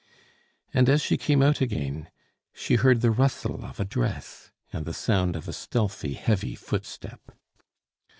And as she came out again she heard the rustle of a dress and the sound of a stealthy, heavy footstep.